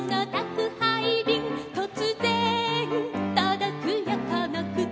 「とつぜんとどくよこのくつ」